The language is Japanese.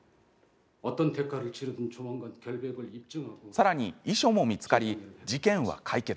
さらに遺書も見つかり事件は解決。